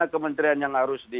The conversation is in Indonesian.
mana kementerian yang perlu ditambah